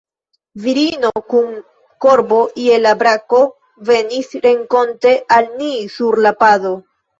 Virino kun korbo je la brako venis renkonte al ni sur la pado.